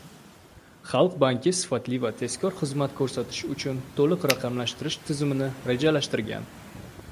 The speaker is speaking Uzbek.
Xalq banki sifatli va tezkor xizmat ko‘rsatish uchun to‘liq raqamlashtirish tizimini rejalashtirgan